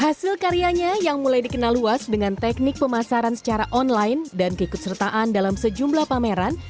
hasil karyanya yang mulai dikenal luas dengan teknik pemasaran secara online dan keikutsertaan dalam sejumlah pameran